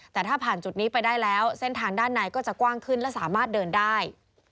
แต่ถ้าผ่านจุดนี้ไปได้แล้วเส้นทางด้านในก็จะกว้างขึ้นและสามารถเดินได้